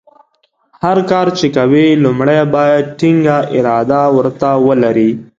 هر کار چې کوې لومړۍ باید ټینګه اراده ورته ولرې.